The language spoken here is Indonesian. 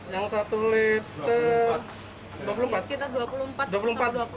yang satu liter mah